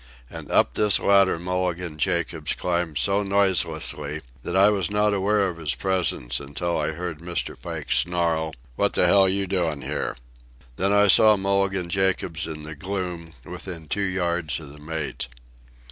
And up this ladder Mulligan Jacobs climbed so noiselessly that I was not aware of his presence until I heard Mr. Pike snarl: "What the hell you doin' here?" Then I saw Mulligan Jacobs in the gloom, within two yards of the mate.